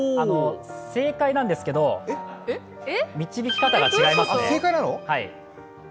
正解なんですけど、導き方が違いますね。